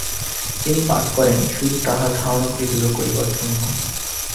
তিনি পাঠ করেন শুধু তাঁহার ধারণাগুলি দৃঢ় করিবার জন্য।